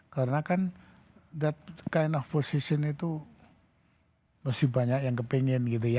karena kan that kind of position itu masih banyak yang kepingin gitu ya